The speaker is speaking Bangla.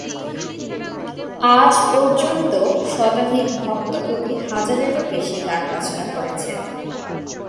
আজ পর্য্যন্ত শতাধিক ভক্ত কবি হাজারের ও বেশি গান রচনা করেছেন।